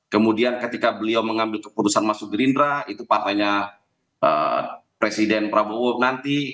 kemudian ketika beliau mengambil keputusan masuk gerindra itu partainya presiden prabowo nanti